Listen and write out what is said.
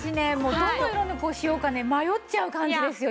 どの色にしようかね迷っちゃう感じですよ。